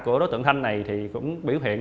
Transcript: của đối tượng thanh này thì cũng biểu hiện